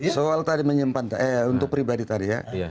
soal tadi menyimpan untuk pribadi tadi ya